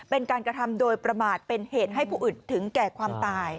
เป็นการกระทำโดยประมาทเป็นเหตุให้ผู้อื่นถึงแก่ความตาย